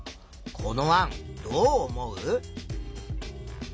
この案どう思う？